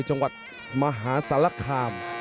จังหวัดมหาสารคาม